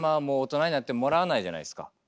もう大人になってもらわないじゃないですか。